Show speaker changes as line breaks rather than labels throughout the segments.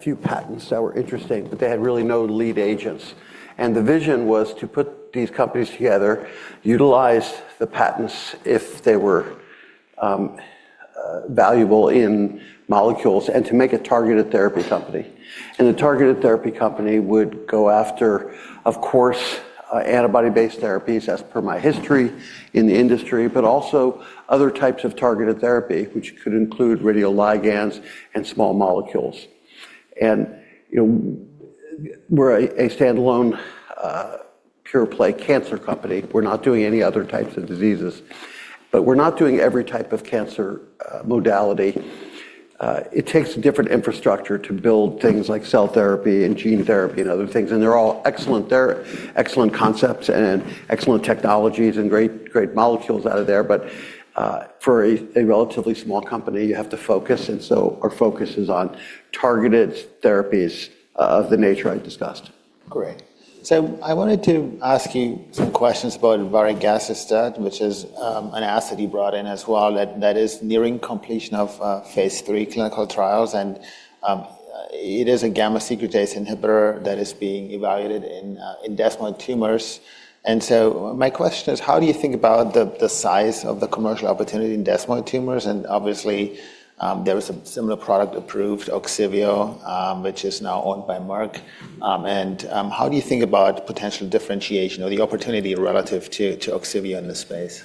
A few patents that were interesting, but they had really no lead agents. The vision was to put these companies together, utilize the patents if they were valuable in molecules, and to make a targeted therapy company. The targeted therapy company would go after, of course, antibody-based therapies, as per my history in the industry, but also other types of targeted therapy, which could include radioligands and small molecules. We're a standalone pure-play cancer company. We're not doing any other types of diseases. We're not doing every type of cancer modality. It takes different infrastructure to build things like cell therapy and gene therapy and other things. They're all excellent there, excellent concepts and excellent technologies and great molecules out of there. For a relatively small company, you have to focus. Our focus is on targeted therapies of the nature I discussed.
Great. I wanted to ask you some questions about varegacestat, which is an asset you brought in as well. That is nearing completion of phase three clinical trials. It is a gamma-secretase inhibitor that is being evaluated in desmoid tumors. My question is, how do you think about the size of the commercial opportunity in desmoid tumors? Obviously, there was a similar product approved, Ogsiveo, which is now owned by Merck. How do you think about potential differentiation or the opportunity relative to Ogsiveo in this space?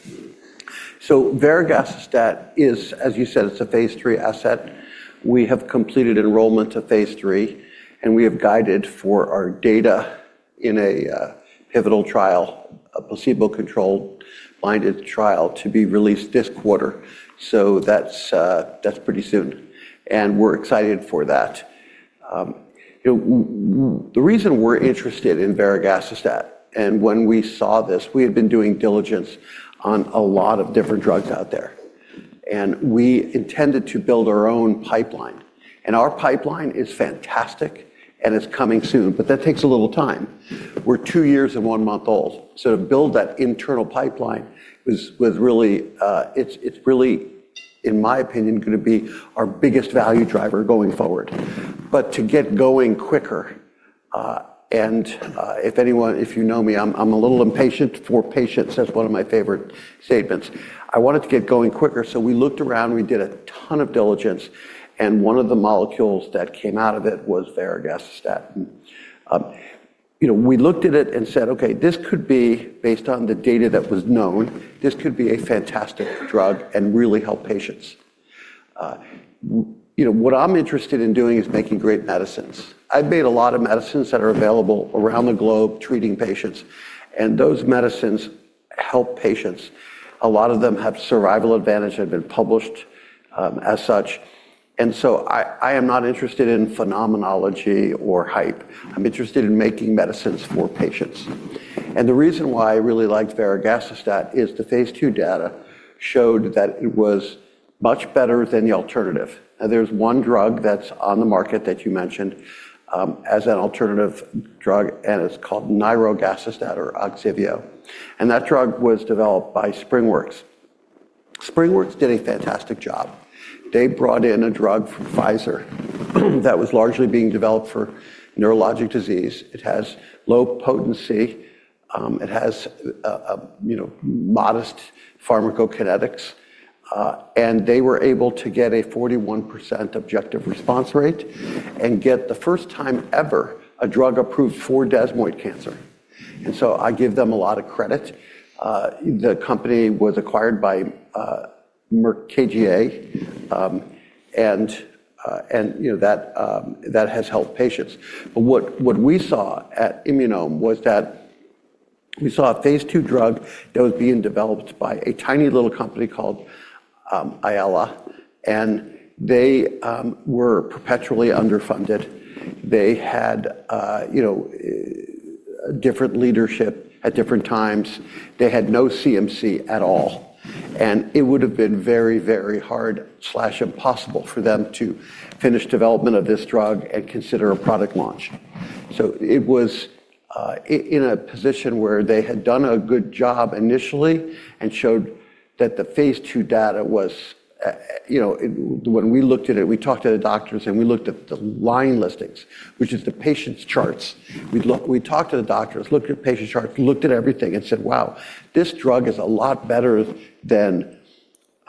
Varegacestat is, as you said, it's a phase 3 asset. We have completed enrollment to phase 3. We have guided for our data in a pivotal trial, a placebo-controlled blinded trial, to be released this quarter. That's pretty soon. We're excited for that. The reason we're interested in varegacestat, and when we saw this, we had been doing diligence on a lot of different drugs out there. We intended to build our own pipeline. Our pipeline is fantastic, and it's coming soon, but that takes a little time. We're two years and one month old. To build that internal pipeline was really, it's really, in my opinion, going to be our biggest value driver going forward. To get going quicker, and if anyone, if you know me, I'm a little impatient for patients, that's one of my favorite statements. I wanted to get going quicker, so we looked around. We did a ton of diligence, and one of the molecules that came out of it was varegacestat. We looked at it and said, ok, this could be, based on the data that was known, this could be a fantastic drug and really help patients. What I'm interested in doing is making great medicines. I've made a lot of medicines that are available around the globe treating patients, and those medicines help patients. A lot of them have survival advantage. They've been published as such, and so I am not interested in phenomenology or hype. I'm interested in making medicines for patients, and the reason why I really liked varegacestat is the phase 2 data showed that it was much better than the alternative. There's one drug that's on the market that you mentioned as an alternative drug. It's called nirogacestat or Ogsiveo. That drug was developed by SpringWorks. SpringWorks did a fantastic job. They brought in a drug from Pfizer that was largely being developed for neurologic disease. It has low potency, it has modest pharmacokinetics. They were able to get a 41% objective response rate and get the first time ever a drug approved for desmoid cancer. I give them a lot of credit. The company was acquired by Merck KGaA. That has helped patients. What we saw at Immunome was that we saw a phase two drug that was being developed by a tiny little company called Ayala. They were perpetually underfunded. They had different leadership at different times. They had no CMC at all. It would have been very, very hard or impossible for them to finish development of this drug and consider a product launch. It was in a position where they had done a good job initially and showed that the phase two data was, when we looked at it, we talked to the doctors. We looked at the line listings, which is the patient's charts. We talked to the doctors, looked at patient charts, looked at everything, and said, wow, this drug is a lot better than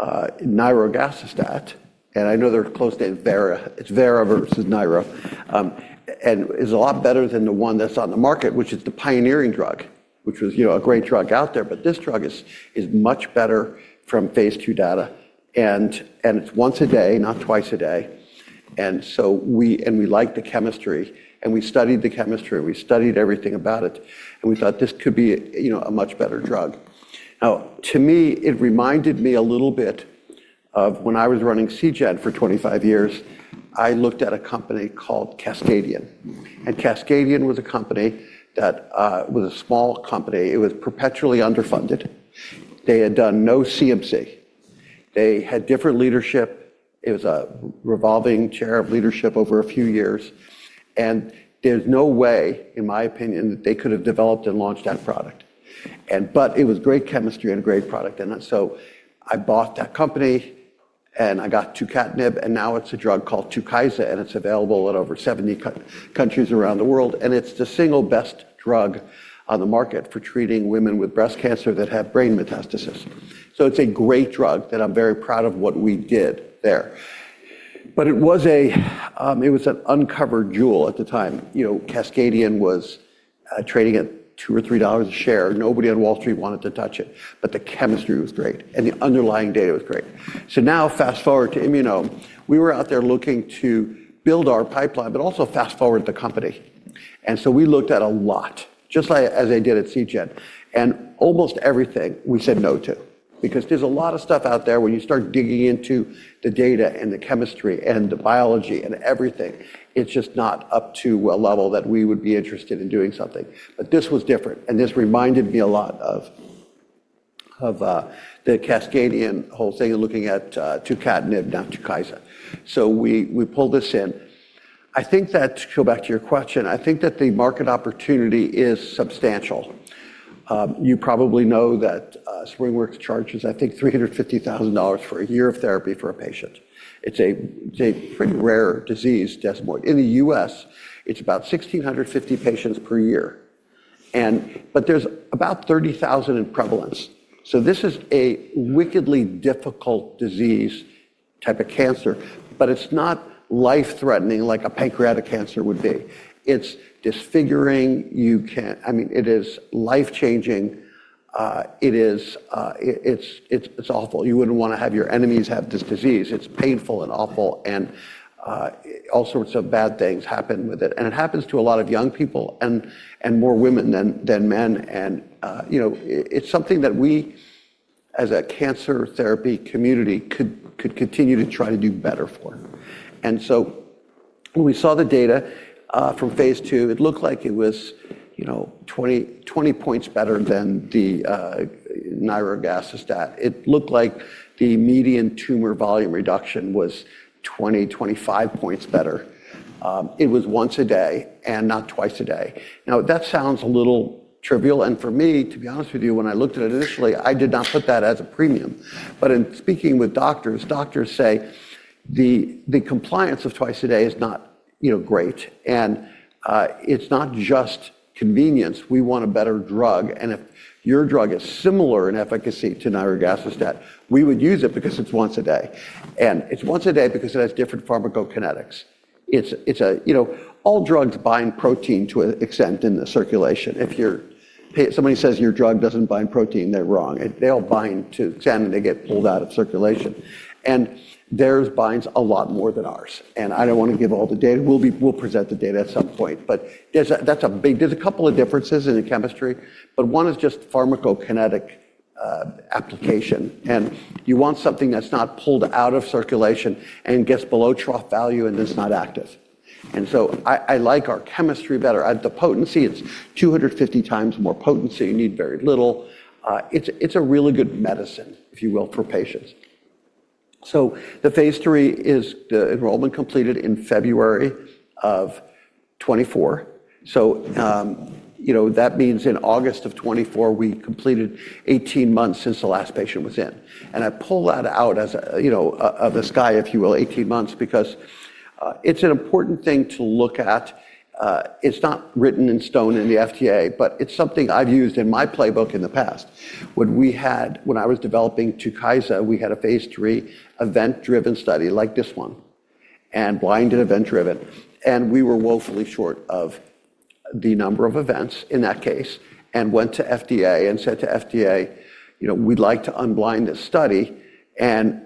nirogacestat. I know they are close to it, it is Vare versus Niro. It is a lot better than the one that is on the market, which is the pioneering drug, which was a great drug out there. This drug is much better from phase two data. It is once a day, not twice a day. We liked the chemistry. We studied the chemistry. We studied everything about it. We thought this could be a much better drug. Now, to me, it reminded me a little bit of when I was running Seagen for 25 years. I looked at a company called Cascadian. Cascadian was a company that was a small company. It was perpetually underfunded. They had done no CMC. They had different leadership. It was a revolving chair of leadership over a few years. There's no way, in my opinion, that they could have developed and launched that product. It was great chemistry and a great product. I bought that company. I got tucatinib. Now it's a drug called Tukysa. It's available in over 70 countries around the world. It's the single best drug on the market for treating women with breast cancer that have brain metastasis. So it's a great drug that I'm very proud of what we did there. But it was an uncovered jewel at the time. Cascadian was trading at $2 or $3 a share. Nobody on Wall Street wanted to touch it. But the chemistry was great. And the underlying data was great. So now, fast forward to Immunome. We were out there looking to build our pipeline, but also fast forward the company. And so we looked at a lot, just like as they did at Seagen. And almost everything we said no to. Because there's a lot of stuff out there when you start digging into the data and the chemistry and the biology and everything. It's just not up to a level that we would be interested in doing something. But this was different. And this reminded me a lot of the Cascadian whole thing and looking at Tucatinib, not Tukysa. So we pulled this in. I think that, to go back to your question, I think that the market opportunity is substantial. You probably know that SpringWorks charges, I think, $350,000 for a year of therapy for a patient. It's a pretty rare disease, desmoid. In the U.S., it's about 1,650 patients per year. But there's about 30,000 in prevalence. So this is a wickedly difficult disease type of cancer. But it's not life-threatening like a pancreatic cancer would be. It's disfiguring. I mean, it is life-changing. It's awful. You wouldn't want to have your enemies have this disease. It's painful and awful and all sorts of bad things happen with it. And it happens to a lot of young people and more women than men. And it's something that we, as a cancer therapy community, could continue to try to do better for. And so when we saw the data from phase 2, it looked like it was 20 points better than the nirogacestat. It looked like the median tumor volume reduction was 20, 25 points better. It was once a day and not twice a day. Now, that sounds a little trivial. And for me, to be honest with you, when I looked at it initially, I did not put that as a premium. But in speaking with doctors, doctors say the compliance of twice a day is not great. And it's not just convenience. We want a better drug. And if your drug is similar in efficacy to nirogacestat, we would use it because it's once a day. And it's once a day because it has different pharmacokinetics. All drugs bind protein to an extent in the circulation. If somebody says your drug doesn't bind protein, they're wrong. They all bind to some they get pulled out of circulation and theirs binds a lot more than ours. And I don't want to give all the data. We'll present the data at some point but there's a couple of differences in the chemistry, but one is just pharmacokinetic application. And you want something that's not pulled out of circulation and gets below trough value and is not active. And so I like our chemistry better. The potency, it's 250x more potent. So you need very little. It's a really good medicine, if you will, for patients. So the phase three is the enrollment completed in February of 2024. So that means in August of 2024, we completed 18 months since the last patient was in. And I pull that out of the sky, if you will, 18 months, because it's an important thing to look at. It's not written in stone in the FDA. But it's something I've used in my playbook in the past. When I was developing Tukysa, we had a phase three event-driven study like this one and blinded event-driven. And we were woefully short of the number of events in that case and went to FDA and said to FDA, we'd like to unblind this study. And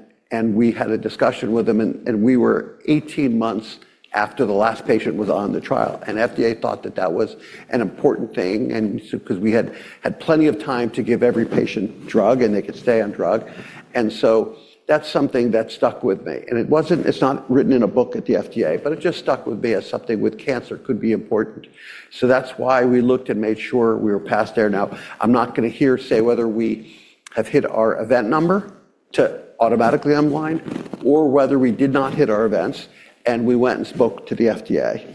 we had a discussion with them. And we were 18 months after the last patient was on the trial. And FDA thought that that was an important thing because we had plenty of time to give every patient drug and they could stay on drug, and so that's something that stuck with me. And it's not written in a book at the FDA. But it just stuck with me as something with cancer could be important, so that's why we looked and made sure we were past there. Now, I'm not going to hear say whether we have hit our event number to automatically unblind or whether we did not hit our events. And we went and spoke to the FDA.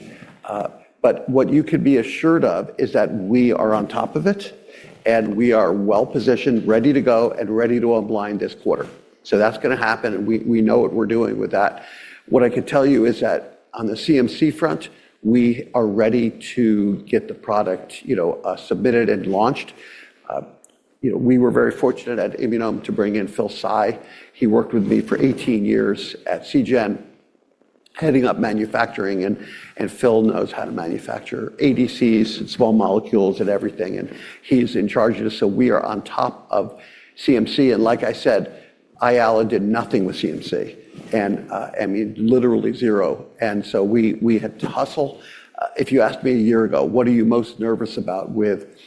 But what you could be assured of is that we are on top of it. And we are well positioned, ready to go, and ready to unblind this quarter. So that's going to happen and we know what we're doing with that. What I can tell you is that on the CMC front, we are ready to get the product submitted and launched. We were very fortunate at Immunome to bring in Phil Tsai. He worked with me for 18 years at Seagen heading up manufacturing. And Phil knows how to manufacture ADCs and small molecules and everything. And he's in charge of it. So we are on top of CMC. And like I said, Ayala did nothing with CMC, literally zero. And so we had to hustle. If you asked me a year ago, what are you most nervous about with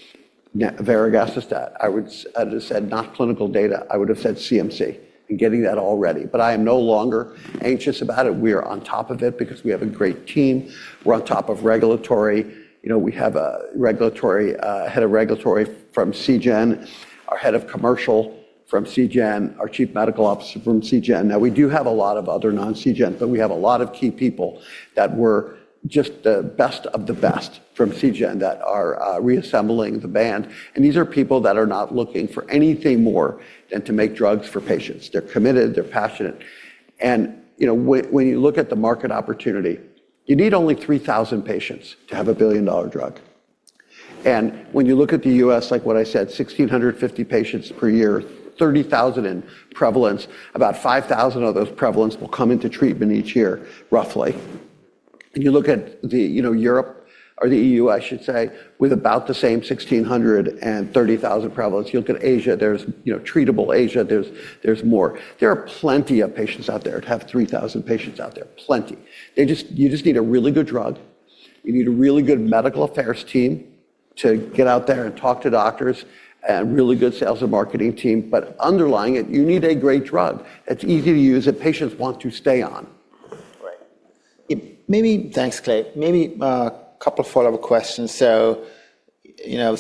varegacestat, I would have said not clinical data. I would have said CMC and getting that all ready. But I am no longer anxious about it. We are on top of it because we have a great team. We're on top of regulatory. We have a head of regulatory from Seagen, our head of commercial from Seagen, our chief medical officer from Seagen. Now, we do have a lot of other non-Seagen. But we have a lot of key people that were just the best of the best from Seagen that are reassembling the band. And these are people that are not looking for anything more than to make drugs for patients. They're committed, they're passionate. And when you look at the market opportunity, you need only 3,000 patients to have a billion-dollar drug. And when you look at the U.S., like what I said, 1,650 patients per year, 30,000 in prevalence, about 5,000 of those prevalence will come into treatment each year, roughly. And you look at Europe or the EU, I should say, with about the same 1,630,000 prevalence. You look at Asia. There's treatable Asia. There's more. There are plenty of patients out there to have 3,000 patients out there, plenty. You just need a really good drug. You need a really good medical affairs team to get out there and talk to doctors and a really good sales and marketing team. But underlying it, you need a great drug that's easy to use that patients want to stay on.
Right. Maybe, thanks, Clay, maybe a couple of follow-up questions. So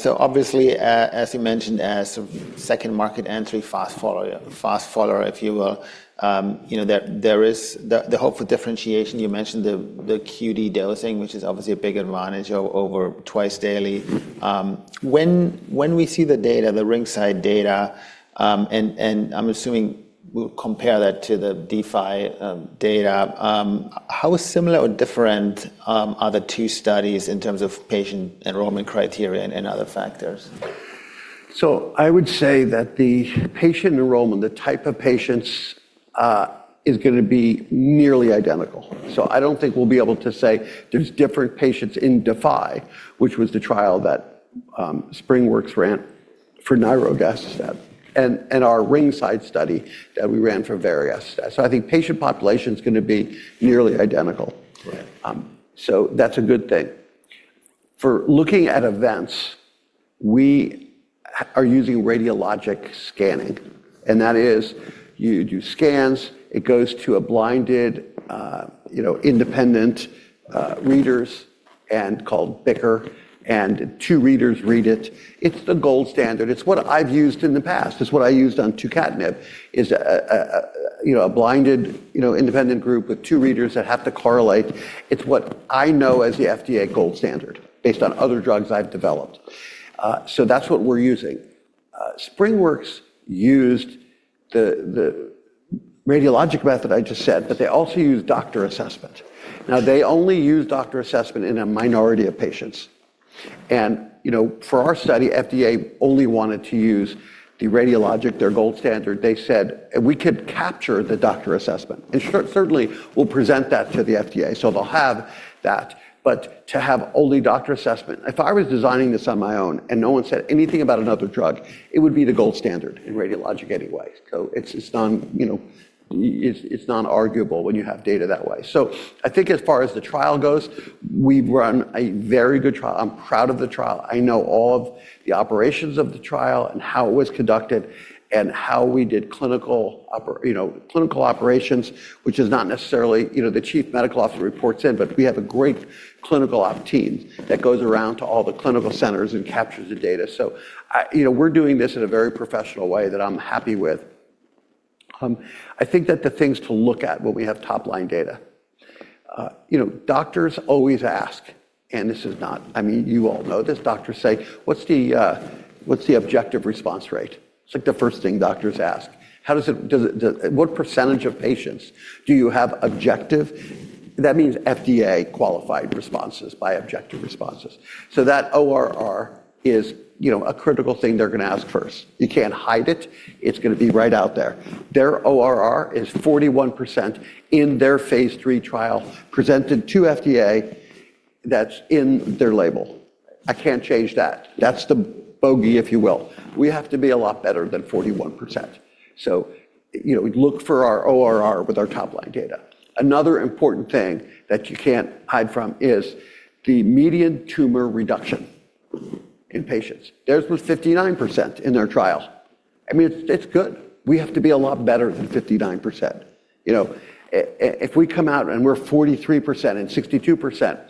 obviously, as you mentioned, as a second market entry, fast follower, if you will, there is the hope for differentiation. You mentioned the QD dosing, which is obviously a big advantage over twice daily. When we see the data, the Ringside data, and I'm assuming we'll compare that to the DFI data, how similar or different are the two studies in terms of patient enrollment criteria and other factors?
So I would say that the patient enrollment, the type of patients, is going to be nearly identical. So I don't think we'll be able to say there's different patients in DFI, which was the trial that SpringWorks ran for nirogacestat and our Ringside study that we ran for varegacestat. So I think patient population is going to be nearly identical. So that's a good thing. For looking at events, we are using radiologic scanning. And that is you do scans, it goes to a blinded independent reader called BICR and two readers read it. It's the gold standard. It's what I've used in the past. It's what I used on Tucatinib, a blinded independent group with two readers that have to correlate. It's what I know as the FDA gold standard based on other drugs I've developed. So that's what we're using. SpringWorks used the radiologic method I just said. But they also used doctor assessment. Now, they only use doctor assessment in a minority of patients. And for our study, FDA only wanted to use the radiologic, their gold standard. They said we could capture the doctor assessment. And certainly, we'll present that to the FDA. So they'll have that. But to have only doctor assessment, if I was designing this on my own and no one said anything about another drug, it would be the gold standard in radiologic anyway. So it's non-arguable when you have data that way. So I think as far as the trial goes, we've run a very good trial. I'm proud of the trial. I know all of the operations of the trial and how it was conducted and how we did clinical operations, which is not necessarily the chief medical officer reports in. But we have a great clinical op team that goes around to all the clinical centers and captures the data. So we're doing this in a very professional way that I'm happy with. I think that the things to look at when we have top-line data, doctors always ask, and this is not, I mean, you all know this, doctors say, what's the objective response rate? It's like the first thing doctors ask. What percentage of patients do you have objective? That means FDA-qualified responses by objective responses. So that ORR is a critical thing they're going to ask first. You can't hide it. It's going to be right out there. Their ORR is 41% in their phase three trial presented to FDA that's in their label. I can't change that. That's the bogey, if you will. We have to be a lot better than 41%. So we look for our ORR with our top-line data. Another important thing that you can't hide from is the median tumor reduction in patients. Theirs was 59% in their trial. I mean, it's good. We have to be a lot better than 59%. If we come out and we're 43% and 62%,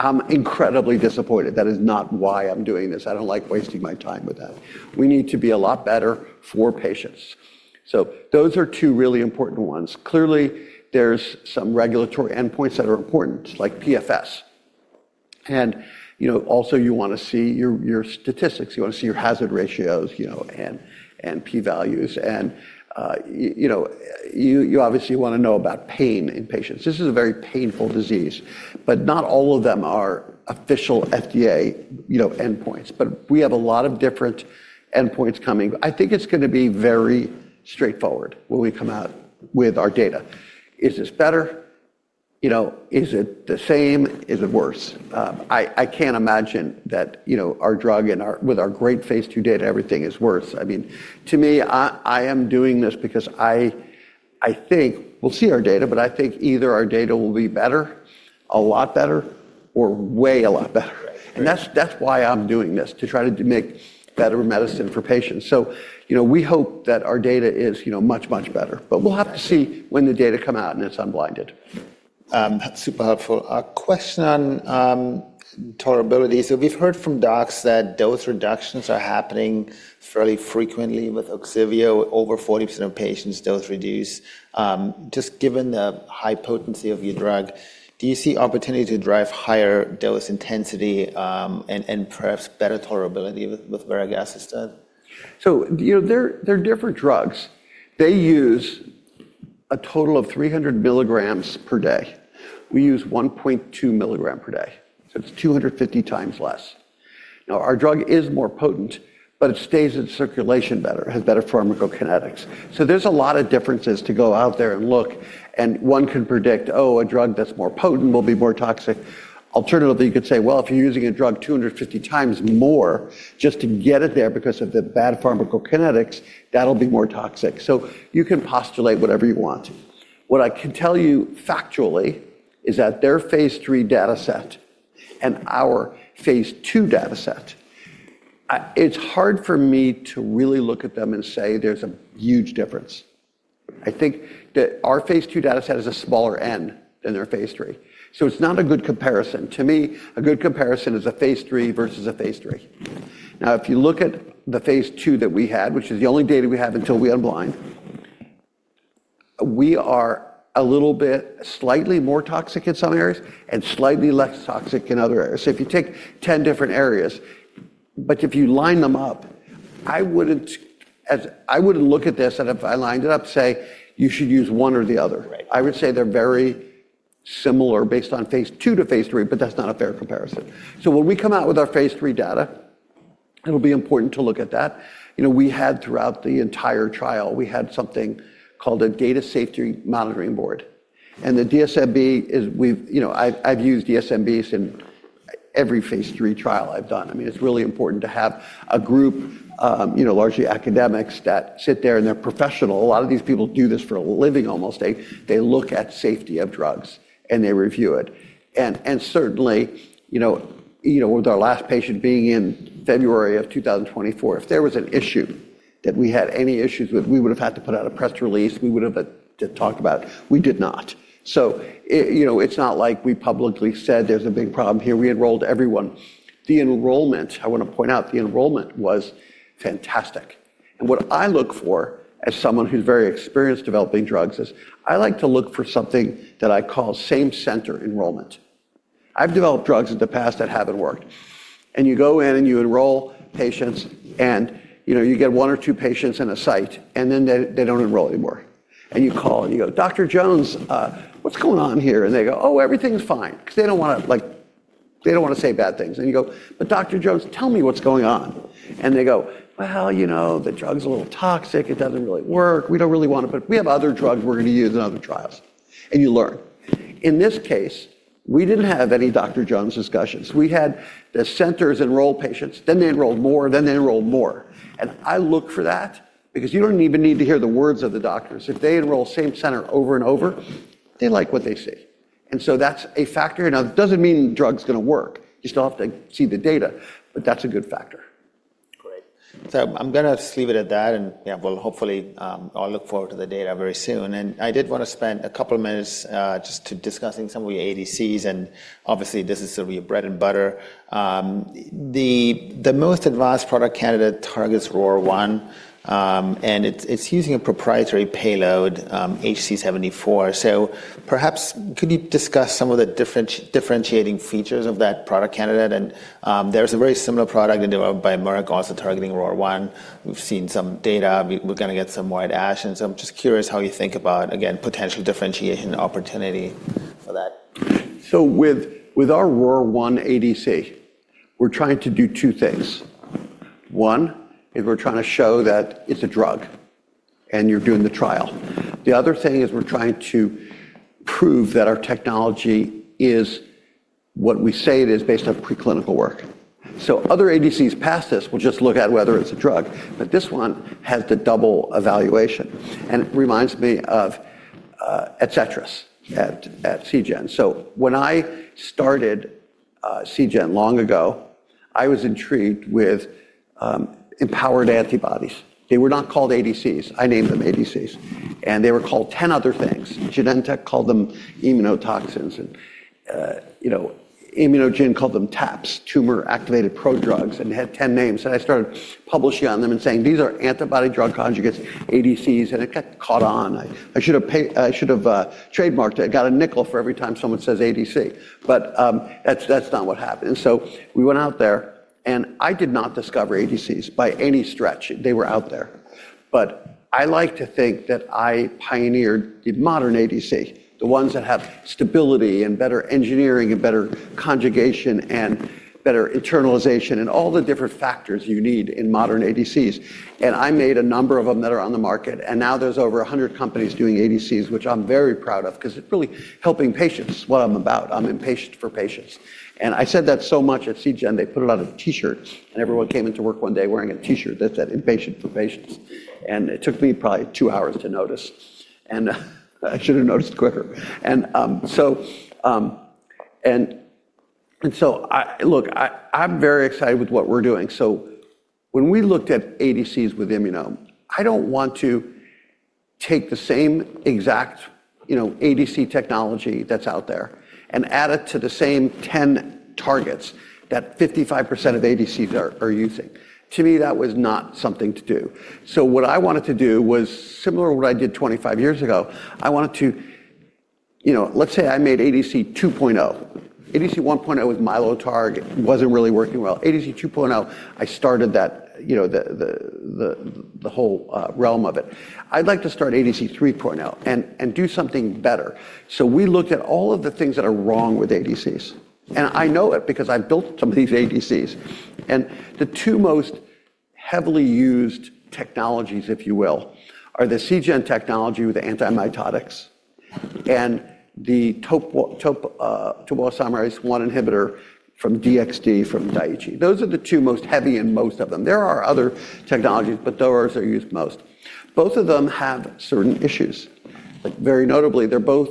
I'm incredibly disappointed. That is not why I'm doing this. I don't like wasting my time with that. We need to be a lot better for patients. So those are two really important ones. Clearly, there's some regulatory endpoints that are important, like PFS. And also, you want to see your statistics. You want to see your hazard ratios and p-values. And you obviously want to know about pain in patients. This is a very painful disease. But not all of them are official FDA endpoints. But we have a lot of different endpoints coming. I think it's going to be very straightforward when we come out with our data. Is this better? Is it the same? Is it worse? I can't imagine that our drug and with our great phase two data, everything is worse. I mean, to me, I am doing this because I think we'll see our data. But I think either our data will be better, a lot better, or way a lot better. And that's why I'm doing this, to try to make better medicine for patients. So we hope that our data is much, much better. But we'll have to see when the data come out and it's unblinded.
That's super helpful. A question on tolerability. So we've heard from docs that dose reductions are happening fairly frequently with Ogsiveo. Over 40% of patients' dose reduce. Just given the high potency of your drug, do you see opportunity to drive higher dose intensity and perhaps better tolerability with varegacestat?
So there are different drugs. They use a total of 300 mg per day. We use 1.2 mg per day. So it's 250x less. Now, our drug is more potent. But it stays in circulation better, has better pharmacokinetics. So there's a lot of differences to go out there and look. And one can predict, oh, a drug that's more potent will be more toxic. Alternatively, you could say, well, if you're using a drug 250x more just to get it there because of the bad pharmacokinetics, that'll be more toxic. So you can postulate whatever you want. What I can tell you factually is that their phase 3 data set and our phase 2 data set, it's hard for me to really look at them and say there's a huge difference. I think that our phase 2 data set is a smaller N than their phase 3. So it's not a good comparison. To me, a good comparison is a phase 3 versus a phase 3. Now, if you look at the phase 2 that we had, which is the only data we have until we unblind, we are a little bit slightly more toxic in some areas and slightly less toxic in other areas. So if you take 10 different areas, but if you line them up, I wouldn't look at this that if I lined it up, say, you should use one or the other. I would say they're very similar based on phase 2 to phase three. But that's not a fair comparison. So when we come out with our phase three data, it'll be important to look at that. We had throughout the entire trial, we had something called a Data Safety Monitoring Board. And the DSMB, I've used DSMBs in every phase 3 trial I've done. I mean, it's really important to have a group, largely academics, that sit there and they're professional. A lot of these people do this for a living almost. They look at safety of drugs. And they review it. And certainly, with our last patient being in February of 2024, if there was an issue that we had any issues with, we would have had to put out a press release. We would have had to talk about it. We did not. So it's not like we publicly said there's a big problem here. We enrolled everyone. The enrollment, I want to point out, the enrollment was fantastic. And what I look for as someone who's very experienced developing drugs is I like to look for something that I call same-center enrollment. I've developed drugs in the past that haven't worked. And you go in and you enroll patients and you get one or two patients in a site. And then they don't enroll anymore and you call and you go, Dr. Jones, what's going on here? And they go, oh, everything's fine. Because they don't want to say bad things. And you go, but Dr. Jones, tell me what's going on. And they go, well, you know the drug's a little toxic. It doesn't really work. We don't really want to. But we have other drugs we're going to use in other trials. And you learn. In this case, we didn't have any Dr. Jones discussions. We had the centers enroll patients. Then they enrolled more. Then they enrolled more. And I look for that because you don't even need to hear the words of the doctors. If they enroll same-center over and over, they like what they see. And so that's a factor. Now, it doesn't mean the drug's going to work. You still have to see the data. But that's a good factor.
Great. So I'm going to just leave it at that. And yeah, well, hopefully, I'll look forward to the data very soon. And I did want to spend a couple of minutes just discussing some of your ADCs. And obviously, this is sort of your bread and butter. The most advanced product candidate targets ROR1. And it's using a proprietary payload, HC74. So perhaps could you discuss some of the differentiating features of that product candidate? And there's a very similar product by Merck also targeting ROR1. We've seen some data. We're going to get some white ash. And so I'm just curious how you think about, again, potential differentiation opportunity for that.
So with our ROR1 ADC, we're trying to do two things. One is we're trying to show that it's a drug. And you're doing the trial. The other thing is we're trying to prove that our technology is what we say it is based on preclinical work. So other ADCs past this will just look at whether it's a drug. But this one has the double evaluation. And it reminds me of Etcetras at Seagen. So when I started Seagen long ago, I was intrigued with empowered antibodies. They were not called ADCs. I named them ADCs. And they were called 10 other things. Genentech called them immunotoxins. ImmunoGen called them TAPs, tumor-activated prodrugs. And it had 10 names. And I started publishing on them and saying, these are antibody-drug conjugates, ADCs. And it got caught on. I should have trademarked it. I got a nickel for every time someone says ADC. But that's not what happened. And so we went out there. And I did not discover ADCs by any stretch. They were out there. But I like to think that I pioneered the modern ADC, the ones that have stability and better engineering and better conjugation and better internalization and all the different factors you need in modern ADCs. And I made a number of them that are on the market. And now there's over 100 companies doing ADCs, which I'm very proud of because it's really helping patients is what I'm about. I'm impatient for patients. And I said that so much at Seagen. They put it on a T-shirt. And everyone came into work one day wearing a T-shirt that said impatient for patients. And it took me probably two hours to notice. And I should have noticed quicker. And so look, I'm very excited with what we're doing. So when we looked at ADCs with Immunome, I don't want to take the same exact ADC technology that's out there and add it to the same 10 targets that 55% of ADCs are using. To me, that was not something to do. So what I wanted to do was similar to what I did 25 years ago. I wanted to, let's say I made ADC 2.0. ADC 1.0 was my low target. It wasn't really working well. ADC 2.0, I started the whole realm of it. I'd like to start ADC 3.0 and do something better. So we looked at all of the things that are wrong with ADCs. And I know it because I've built some of these ADCs. And the two most heavily used technologies, if you will, are the Seagen technology with antimitotics and the topoisomerase 1 inhibitor from DXd from Daiichi. Those are the two most heavy in most of them. There are other technologies. But those are used most. Both of them have certain issues. Very notably, they both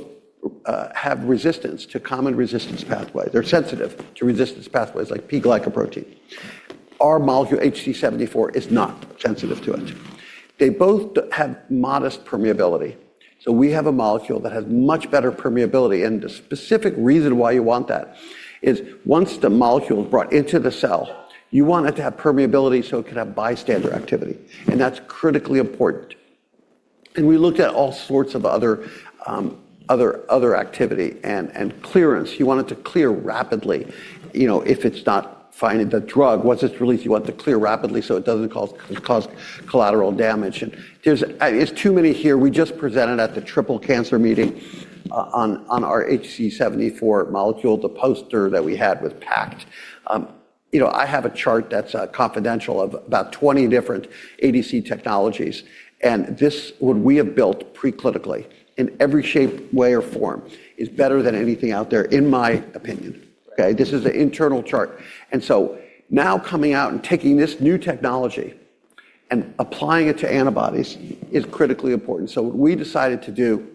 have resistance to common resistance pathways. They're sensitive to resistance pathways like P-glycoprotein. Our molecule, HC74, is not sensitive to it. They both have modest permeability. So we have a molecule that has much better permeability. And the specific reason why you want that is once the molecule is brought into the cell, you want it to have permeability so it can have bystander activity. And that's critically important. And we looked at all sorts of other activity and clearance. You want it to clear rapidly. If it's not finding the drug, once it's released, you want it to clear rapidly so it doesn't cause collateral damage. And there's too many here. We just presented at the triple cancer meeting on our HC74 molecule. The poster that we had was packed. I have a chart that's confidential of about 20 different ADC technologies. And this would we have built preclinically in every shape, way, or form is better than anything out there, in my opinion. This is an internal chart. And so now coming out and taking this new technology and applying it to antibodies is critically important. So what we decided to do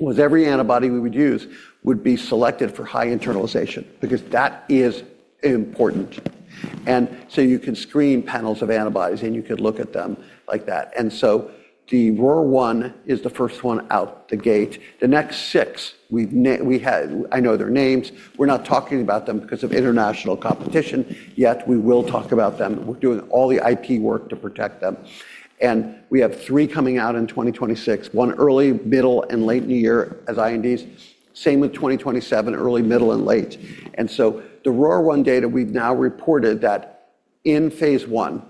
was every antibody we would use would be selected for high internalization because that is important. And so you can screen panels of antibodies. And you could look at them like that. And so the ROR1 is the first one out the gate. The next six, I know their names. We're not talking about them because of international competition. Yet we will talk about them. We're doing all the IP work to protect them. And we have three coming out in 2026, one early, middle, and late in the year as INDs. Same with 2027, early, middle, and late. And so the ROR1 data, we've now reported that in phase one,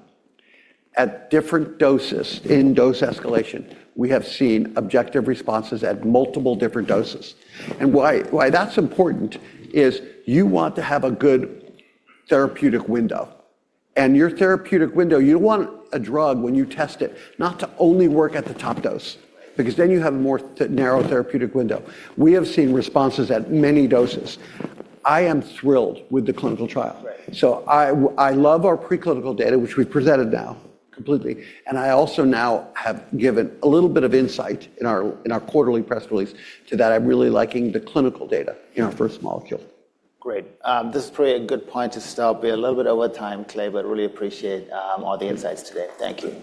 at different doses, in dose escalation, we have seen objective responses at multiple different doses. And why that's important is you want to have a good therapeutic window. And your therapeutic window, you don't want a drug, when you test it, not to only work at the top dose because then you have a more narrow therapeutic window. We have seen responses at many doses.I am thrilled with the clinical trial. So I love our preclinical data, which we presented now completely. And I also now have given a little bit of insight in our quarterly press release to that I'm really liking the clinical data in our first molecule.
Great. This is probably a good point to stop. We're a little bit over time, Clay. But I really appreciate all the insights today. Thank you.